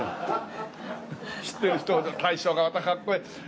知ってる人大将がまたかっこいい。